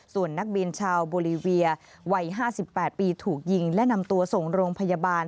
ส่วนนักบินชาวโบรีเวียวัย๕๘ปีถูกยิงและนำตัวส่งโรงพยาบาล